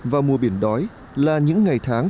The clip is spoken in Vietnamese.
và mùa biển đói là những ngày tháng